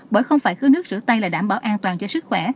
bởi không phải cứu nước rửa tay là đảm bảo an toàn cho sức khỏe